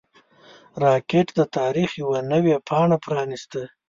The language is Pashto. راکټ د تاریخ یوه نوې پاڼه پرانیسته